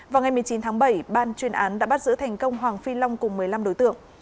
vào ngày một mươi chín tháng bảy ban chuyên án đã bắt giữ thành công hoàng phi long cùng một mươi năm đối tượng